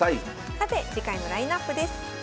さて次回のラインナップです。